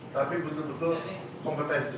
tapi betul betul kompetensi